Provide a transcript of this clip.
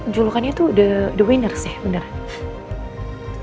jelukannya tuh the winners ya beneran